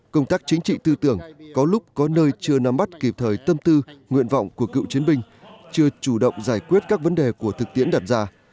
công tác chính trị tư tưởng có lúc có nơi chưa nắm bắt kịp thời tâm tư nguyện vọng của cựu chiến binh chưa chủ động giải quyết các vấn đề của thực tiễn đặt ra